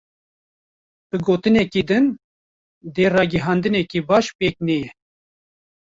Bi gotineke din; dê ragihandineke baş pêk neyê.